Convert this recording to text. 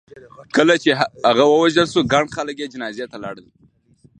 کله چې هغه ووژل شو ګڼ خلک یې جنازې ته لاړل.